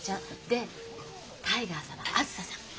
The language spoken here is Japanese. でタイガーさんはあづささん。